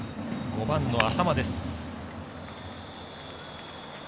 ５番の淺間です。